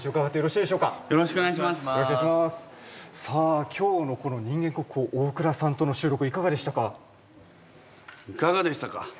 さあ今日のこの人間国宝大倉さんとの収録いかがでしたか？